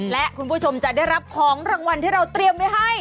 และคุณผู้ชมจะได้รับของรางวัลที่เราเตรียมไว้ให้